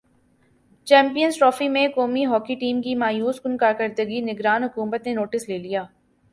champions trophy میں قومی hockey team کی مایوس کن کارکردگی نگران حکومت نے نوٹس لے لیا